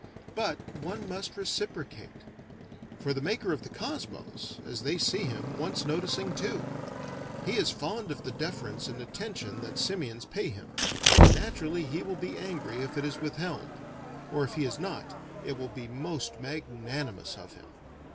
But one must reciprocate. For the maker of the Cosmos, as they see him, wants noticing too; he is fond of the deference and attention that simians pay him, and naturally he will be angry if it is withheld; or if he is not, it will be most magnanimous of him.